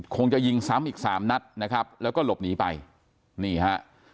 คงจะยิงซ้ำอีกสามนัดนะครับแล้วก็หลบหนีไปนี่ฮะ